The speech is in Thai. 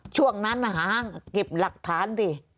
ช่วงนั้นหาเก็บหลักฐานสิ